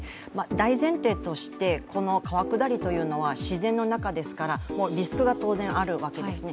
大前提として、この川下りというのは自然の中ですからもうリスクが当然あるわけですね。